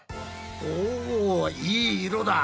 おいい色だ！